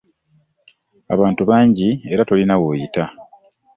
Abantu bangi era tolina w'oyita.